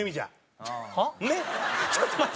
ちょっと待って。